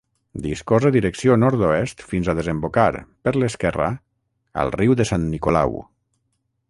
Discorre direcció nord-oest fins a desembocar, per l'esquerra, al Riu de Sant Nicolau.